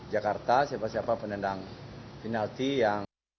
jakarta siapa siapa penendang penalti yang